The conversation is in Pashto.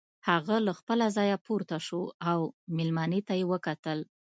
هغه له خپله ځايه پورته شو او مېلمنې ته يې وکتل.